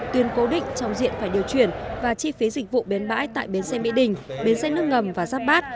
tuyến cố định trong diện phải điều chuyển và chi phí dịch vụ bến bãi tại bến xe mỹ đình bến xe nước ngầm và giáp bát